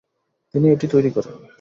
তিনি এটি তৈরী করেন।